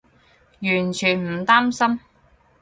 完全唔擔心